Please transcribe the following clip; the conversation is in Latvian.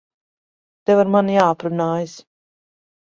Tev ar mani jāaprunājas.